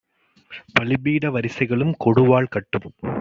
பலிபீட வரிசைகளும் கொடுவாள் கட்டும்